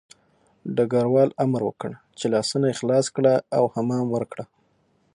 ډګروال امر وکړ چې لاسونه یې خلاص کړه او حمام ورکړه